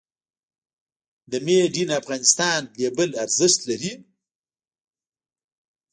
د "Made in Afghanistan" لیبل ارزښت لري؟